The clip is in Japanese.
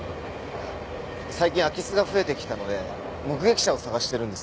最近空き巣が増えてきたので目撃者を捜してるんです。